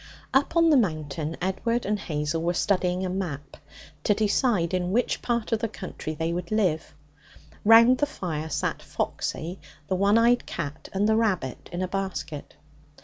Up on the Mountain Edward and Hazel were studying a map to decide in which part of the county they would live. Round the fire sat Foxy, the one eyed cat, and the rabbit in a basket.